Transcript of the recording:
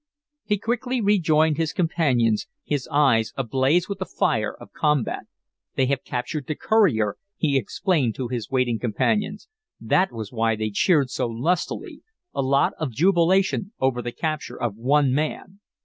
He quickly rejoined his companions, his eyes ablaze with the fire of combat. "They have captured the courier," he explained to his waiting companions. "That was why they cheered so lustily. A lot of jubilation over the capture of one man!"